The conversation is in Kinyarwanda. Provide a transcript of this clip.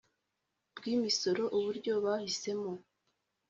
Bw imisoro uburyo bahisemo